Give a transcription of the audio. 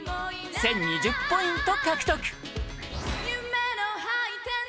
１０２０ポイント